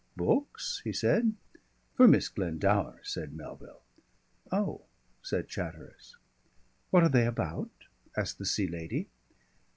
"Books?" he said. "For Miss Glendower," said Melville. "Oh!" said Chatteris. "What are they about?" asked the Sea Lady.